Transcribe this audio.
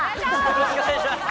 よろしくお願いします。